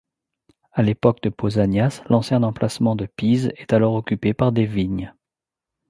À l'époque de Pausanias, l'ancien emplacement de Pise est alors occupé par des vignes.